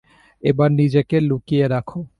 এবার নিজেকে লুকিয়ে রাখো।